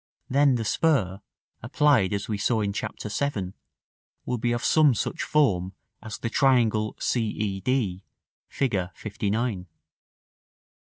Then the spur, applied as we saw in Chap. VII., will be of some such form as the triangle c e d, Fig. LIX. § XI.